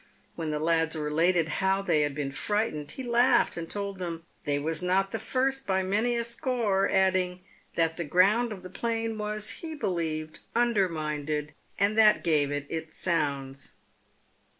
When the lads related how they had been frightened, he laughed, and told them " they was not the first by many a score," adding, "that the ground of the plain was, he believed, underminded, and that gave it its sounds."